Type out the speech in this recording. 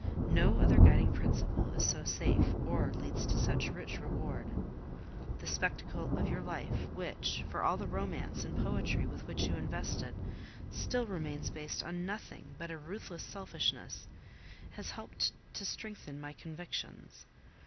No other guiding principle is so safe, or leads to such rich reward. The spectacle of your life, which, for all the romance and poetry with which you invest it, still remains based on nothing but a ruthless selfishness, has helped to strengthen my convictions.